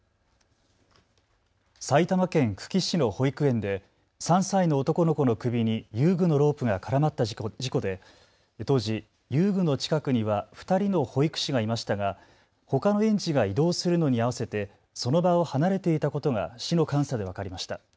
埼玉県久喜市の保育園で３歳の男の子の首に遊具のロープが絡まった事故で当時、遊具の近くには２人の保育士がいましたがほかの園児が移動するのに合わせてその場を離れていたことが市の監査で分かりました。